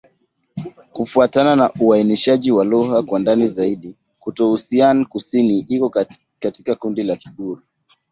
Kufuatana na uainishaji wa lugha kwa ndani zaidi, Kitoussian-Kusini iko katika kundi la Kigur.